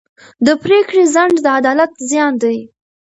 د پرېکړې ځنډ د عدالت زیان دی.